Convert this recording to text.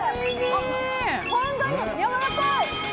本当にやわらかい！